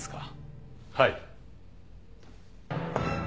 はい。